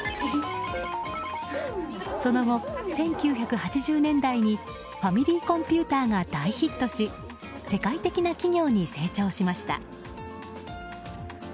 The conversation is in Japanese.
その後、１９８０年代にファミリーコンピュータが大ヒットし世界的な企業に成長しました。